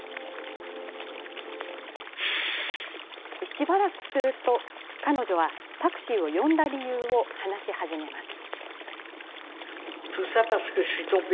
しばらくすると彼女はタクシーを呼んだ理由を話し始めます。